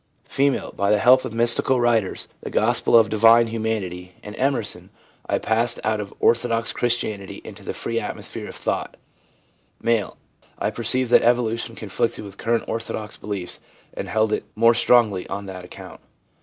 F. i By the help of mystical writers, the " Gospel of Divine Humanity" and Emerson, I passed out of orthodox Christianity into the free atmosphere of thought/ M. ' I perceived that evolution conflicted with current orthodox beliefs and held to it more strongly ofi that account.'